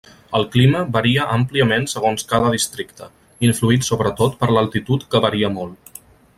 El clima varia àmpliament segons cada districte, influït sobretot per l'altitud que varia molt.